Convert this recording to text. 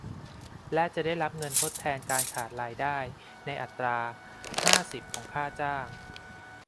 และจะได้รับเงินทดแทนการขาดรายได้ในอัตรา ห้าสิบ ของค่าจ้าง